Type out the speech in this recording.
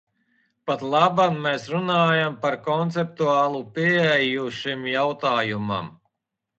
Patlaban mēs runājam par konceptuālu pieeju šim jautājumam.